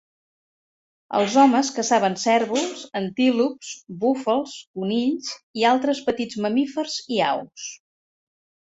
Els homes caçaven cérvols, antílops, búfals, conills i altres petits mamífers i aus.